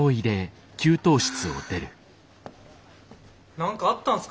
何かあったんすか？